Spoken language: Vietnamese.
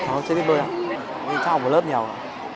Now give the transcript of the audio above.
cháu chưa biết bơi hả cháu học ở lớp nhiều hả